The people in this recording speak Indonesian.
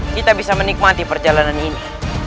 kita bisa menikmati perjalanan ini